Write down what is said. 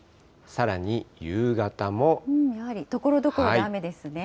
やはりところどころで雨です